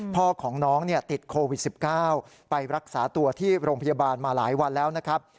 พ่อของน้องติดโควิด๑๙ไปรักษาตัวที่โรงพยาบาลมาหลายวันแล้วนะครับ